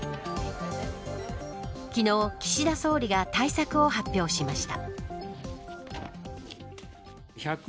昨日、岸田総理が対策を発表しました。